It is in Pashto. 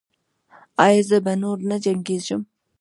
ایا زه به نور نه جنګیږم؟